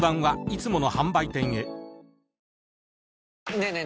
ねえねえ